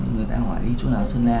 người ta hỏi đi chỗ nào sơn la